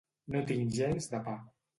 No tinc gens de pa.